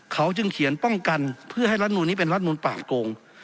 เขาจึงเขียนป้องกันเพื่อให้รัฐมนูลนี้เป็นรัฐมนูลปากโกง